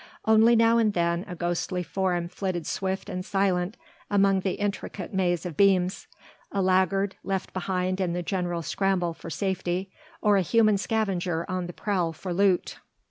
Only now and then a ghostly form flitted swift and silent among the intricate maze of beams, a laggard left behind in the general scramble for safety, or a human scavenger on the prowl for loot.